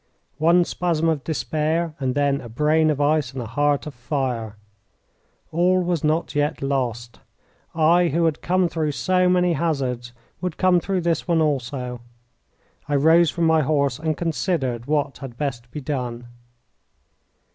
One spasm of despair, and then a brain of ice and a heart of fire. All was not yet lost. I who had come through so many hazards would come through this one also. I rose from my horse and considered what had best be done.